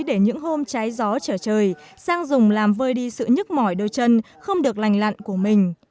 để những hôm trái gió trở trời sang dùng làm vơi đi sự nhức mỏi đôi chân không được lành lặn của mình